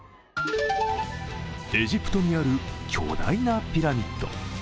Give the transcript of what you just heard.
エジプトにある巨大なピラミッド。